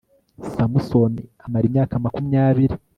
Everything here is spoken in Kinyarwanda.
samusoni amara imyaka makumyabiri